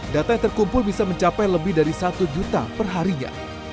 data yang terkumpul bisa mencapai lebih dari satu juta perharinya